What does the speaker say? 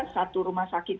satu rumah sakit